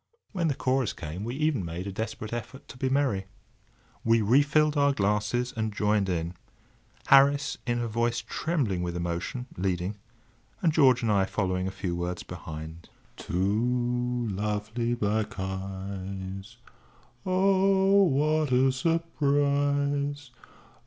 When the chorus came we even made a desperate effort to be merry. We re filled our glasses and joined in; Harris, in a voice trembling with emotion, leading, and George and I following a few words behind: "Two lovely black eyes; Oh! what a surprise!